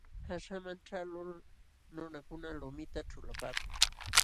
Qaśhaman ćhaqlul nunakuna lumita ćhulapaakun.